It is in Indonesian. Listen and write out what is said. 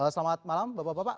selamat malam bapak bapak